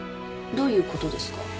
どういうことですか？